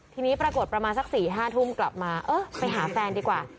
ทีนี้ปรากฏประมาณสัก๔๕ทุ่มกลับมาเออไปหาแฟนดีกว่า